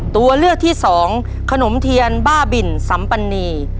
ตัวเลือกที่สองขนมเทียนบ้าบินสัมปณี